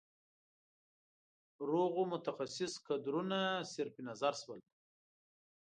روغو متخصص کدرونه صرف نظر شول.